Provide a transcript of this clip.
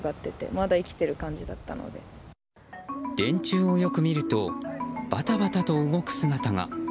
電柱をよく見るとバタバタと動く姿が。